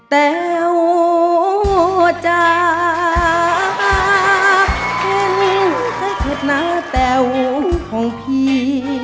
แก้วจากเพลงในทดหน้าแก้วของพี่